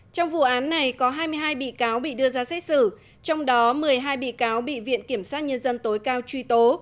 trong vụ án này có hai mươi hai bị cáo bị đưa ra xét xử trong đó một mươi hai bị cáo bị viện kiểm sát nhân dân tối cao truy tố